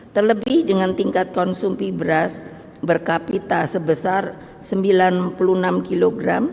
terlebih dengan tingkat konsumsi beras berkapita sebesar sembilan puluh enam kg